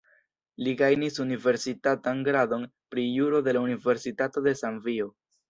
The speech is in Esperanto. Li gajnis universitatan gradon pri juro de la Universitato de Zambio.